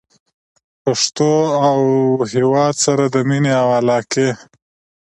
پښتو او هېواد سره د مینې او علاقې